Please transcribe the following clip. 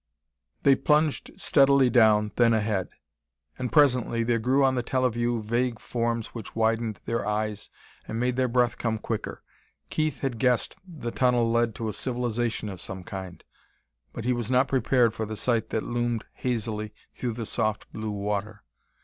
They plunged steadily down, then ahead. And presently there grew on the teleview vague forms which widened their eyes and made their breath come quicker. Keith had guessed the tunnel led to a civilization of some kind, but he was not prepared for the sight that loomed hazily through the soft blue water.